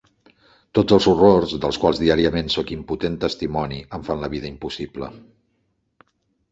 Tots els horrors, dels quals diàriament sóc impotent testimoni, em fan la vida impossible.